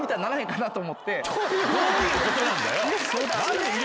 どういうことなんだよ！